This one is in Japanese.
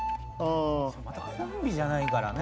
コンビじゃないからね